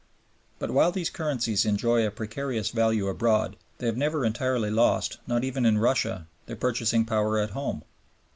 But while these currencies enjoy a precarious value abroad, they have never entirely lost, not even in Russia, their purchasing power at home.